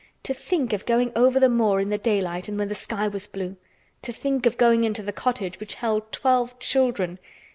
To think of going over the moor in the daylight and when the sky was blue! To think of going into the cottage which held twelve children!